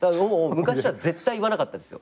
昔は絶対言わなかったですよ